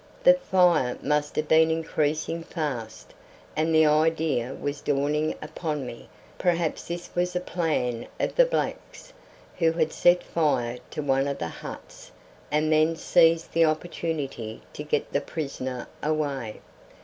The fire must have been increasing fast, and the idea was dawning upon me that perhaps this was a plan of the black's, who had set fire to one of the huts and then seized the opportunity to get the prisoner away.